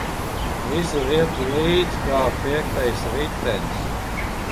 Visur iet līdz kā piektais ritenis.